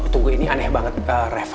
tunggu ini aneh banget reva